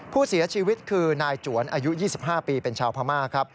ผู้เสียชีวิตคือนายจวนอายุ๒๕ปีเป็นชาวพม่าครับ